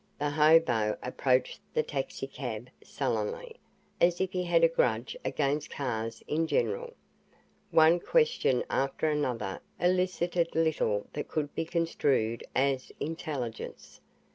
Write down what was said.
The hobo approached the taxicab sullenly, as if he had a grudge against cars in general. One question after another elicited little that could be construed as intelligence.